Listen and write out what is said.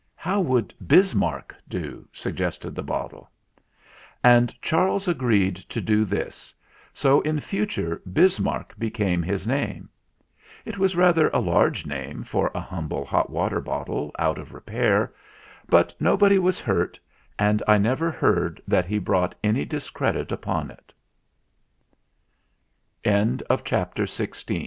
"How would 'Bismarck' do?" suggested the bottle. And Charles agreed to do this, so in future Bismarck became his name. It was rather a large name for a humble hot water bottle out of repair; but nobody was hurt, and I never heard that he broug